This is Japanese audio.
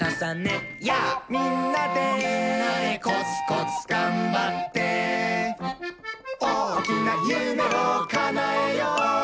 みんなでーみんなでーコツコツがんばっておおきなゆめをかなえよう！